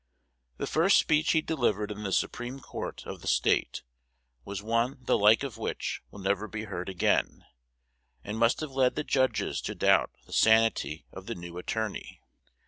The first speech he delivered in the Supreme Court of the State was one the like of which will never be heard again, and must have led the judges to doubt the sanity of the new attorney.